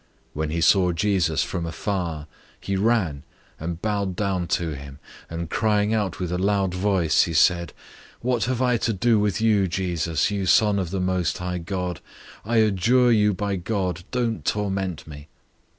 005:006 When he saw Jesus from afar, he ran and bowed down to him, 005:007 and crying out with a loud voice, he said, "What have I to do with you, Jesus, you Son of the Most High God? I adjure you by God, don't torment me."